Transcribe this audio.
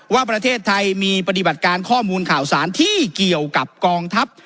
ว่าประเทศไทยมีปฏิบัติการข้อมูลข่าวสารที่เกี่ยวกับกองทัพ